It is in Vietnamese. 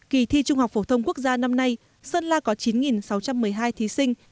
kỳ thi trung học phổ thông quốc gia năm nay sơn la có chín sáu trăm một mươi hai thí sinh